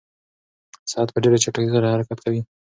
ساعت په ډېرې چټکتیا سره حرکت کوي.